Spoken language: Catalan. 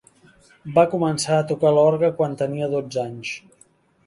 Va començar a tocar l'orgue quan tenia dotze anys.